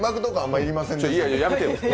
いやいや、やめてよ。